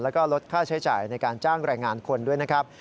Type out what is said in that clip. แล้วก็ลดค่าใช้จ่ายในการจ้างแรงงานคนด้วยนะครับ